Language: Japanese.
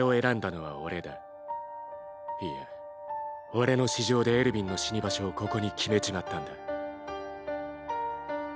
俺の私情でエルヴィンの死に場所をここに決めちまったんだ。